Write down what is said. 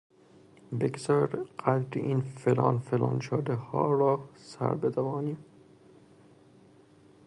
بگذار قدری این فلان فلان شدهها را سر بدوانیم.